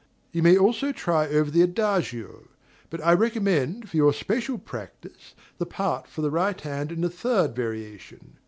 You may also try over the adagio; but I recommend for your special practice the part for the right hand in the third variation.